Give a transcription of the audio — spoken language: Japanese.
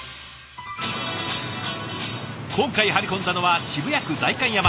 今回張り込んだのは渋谷区代官山。